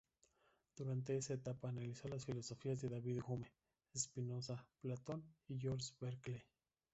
Durante esa etapa analizó las filosofías de David Hume, Spinoza, Platón y George Berkeley.